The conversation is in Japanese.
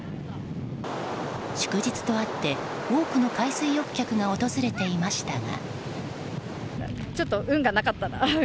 祝日とあって多くの海水浴客が訪れていましたが。